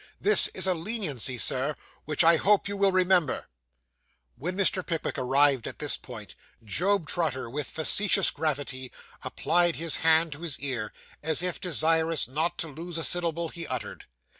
This is a leniency, Sir, which I hope you will remember.' When Mr. Pickwick arrived at this point, Job Trotter, with facetious gravity, applied his hand to his ear, as if desirous not to lose a syllable he uttered.